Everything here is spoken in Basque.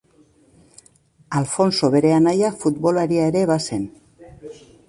Alfonso bere anaia futbolaria ere bazen.